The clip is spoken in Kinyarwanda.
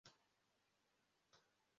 umufana wikubye mugihe ategereje abakiriya